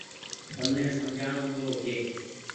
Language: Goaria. تم ني سمجهآڻو ۮورو ڇي۔